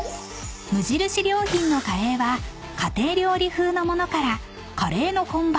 ［無印良品のカレーは家庭料理風のものからカレーの本場